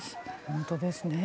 本当ですね。